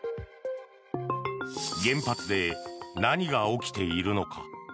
原発で何が起きているのか。